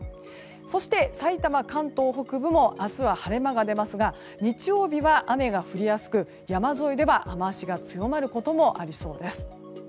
そして、さいたま、関東北部も明日は晴れ間が出ますが日曜日は雨が降りやすく山沿いでは雨脚が強まることもありそうです。